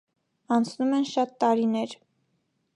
Անցնում են շատ տարիներ։